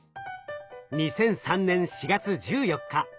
２００３年４月１４日。